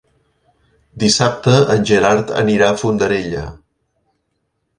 Dissabte en Gerard anirà a Fondarella.